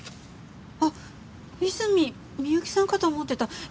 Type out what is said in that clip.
あっ泉美由紀さんかと思ってた。